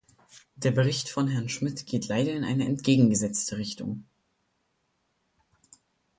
Der Bericht von Herrn Schmitt geht leider in eine entgegengesetzte Richtung.